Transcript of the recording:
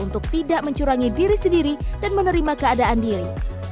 untuk tidak mencurangi diri sendiri dan menerima keadaan diri